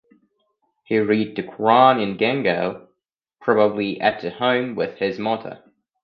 He read the Qur'an in Gangoh, probably at home with his mother.